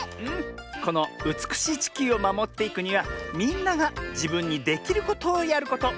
このうつくしいちきゅうをまもっていくにはみんながじぶんにできることをやること。